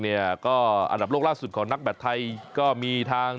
เนี่ยก็อันดับโลกล่าสุดของนักแบตไทยก็มีทาง